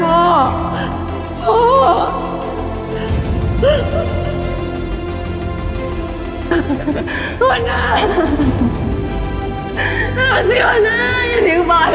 หัวหน้าหัวหน้าอย่าทิ้งไป